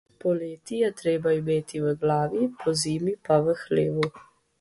Poleti je treba imeti v glavi, pozimi pa v hlevu.